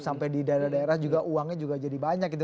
sampai di daerah daerah juga uangnya juga jadi banyak gitu